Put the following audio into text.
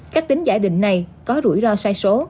cách tính giả định này có rủi ro sai số